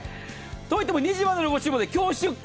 といっても２時までのご注文で今日出荷！